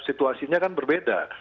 situasinya kan berbeda